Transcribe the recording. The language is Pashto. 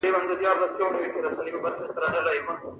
خبره ښه نه اوري.